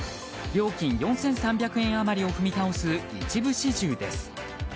料金４３００円余りを踏み倒す一部始終です。